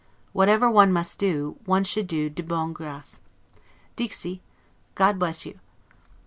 Whatever one must do, one should do 'de bonne grace'. 'Dixi'. God bless you!